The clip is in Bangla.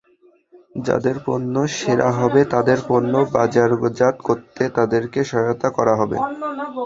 যাদের পণ্য সেরা হবে, তাদের পণ্য বাজারজাত করতে তাদেরকে সহায়তা করা হবে।